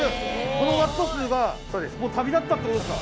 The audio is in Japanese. このワット数がもう旅立ったってことですか？